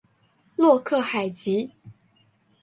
洛克海吉。